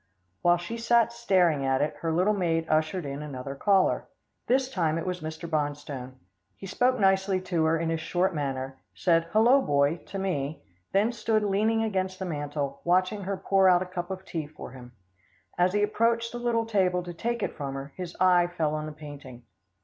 While she sat staring at it, her little maid ushered in another caller. This time it was Mr. Bonstone. He spoke nicely to her in his short manner, said "Hello! Boy," to me, then stood leaning against the mantel, watching her pour out a cup of tea for him. As he approached the little table to take it from her, his eye fell on the painting.